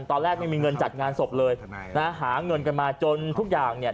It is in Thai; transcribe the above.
ไม่มีเงินจัดงานศพเลยนะฮะหาเงินกันมาจนทุกอย่างเนี่ย